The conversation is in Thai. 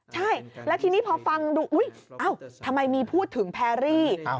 ใช่แล้วทีนี้พอฟังดูอุ๊ยทำไมมีพูดถึงแพรรี่